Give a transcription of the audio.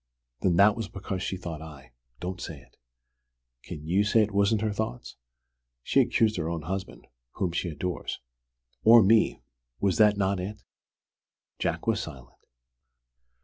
"Then that was because she thought I " "Don't say it!" "Can you say it wasn't her thought?" "She's accused her own husband whom she adores." "Or me! Was that not it?" Jack was silent.